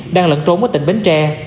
đang lận trốn ở tỉnh bến tre